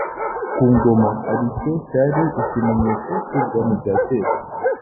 ku Ngoma aricyo cyari ikimenyetso cy’Ubwami bwa kera